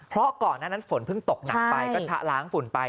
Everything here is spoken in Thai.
เพราะก่อนหน้านั้นฝนเพิ่งตกหนักไปก็ชะล้างฝุ่นไป